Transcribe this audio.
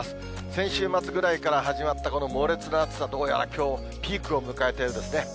先週末ぐらいから始まったこの猛烈な暑さ、どうやら、きょう、ピークを迎えたようですね。